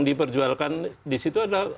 diperjualkan di situ adalah